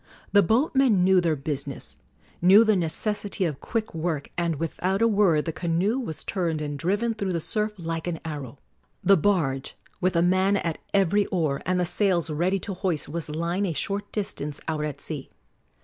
The boatmen knew their business knew the necessity of quick work and without a word the canoe was turned and driven through the surf like an arrow. The barge, with a man at every oar and the sails ready to hoist, was lying a short distance out at sea.